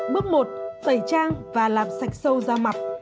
bước một tẩy trang và làm sạch sâu ra mặt